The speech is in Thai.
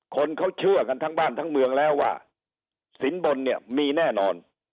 คนเขาเชื่อกันทั้งบ้านทั้งเมืองแล้วว่าสินบนเนี่ยมีแน่นอน